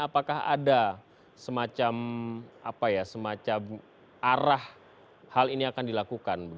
apakah ada semacam arah hal ini akan dilakukan